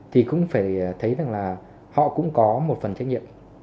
thì cũng phải thấy rằng là họ cũng có một phần trách nhiệm